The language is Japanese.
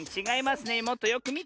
もっとよくみて。